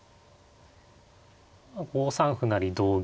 ５三歩成同銀